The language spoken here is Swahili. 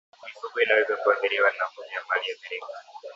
Mifugo inaweza kuathiriwa na mnyama aliyeathirika